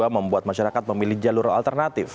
membuat masyarakat memilih jalur alternatif